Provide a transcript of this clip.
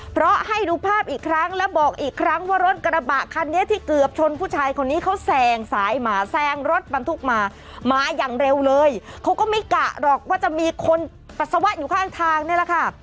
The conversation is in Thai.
เพราะให้ดูภาพอีกครั้งแล้วบอกอีกครั้งว่ารถกระบะคันนี้ที่เกือบชนผู้ชายคนนี้เขาแซงซ้ายมาแซงรถบรรทุกมามาอย่างเร็วเลยเขาก็ไม่กะหรอกว่าจะมีคนปัสสาวะอยู่ข้างทางนี่แหละค่ะ